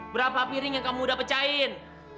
berapa piring yang kamu udah pecahin